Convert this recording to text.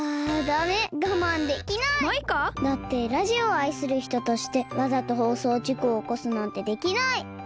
だってラジオをあいするひととしてわざとほうそうじこをおこすなんてできない！